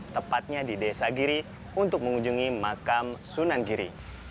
tepatnya di desa giri untuk mengunjungi makam sunan giri